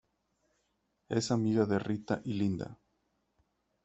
Es amiga de Rita y Linda.